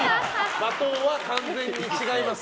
罵倒は完全に違います